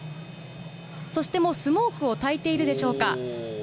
そしてもうスモークをたいているでしょうか。